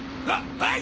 はい！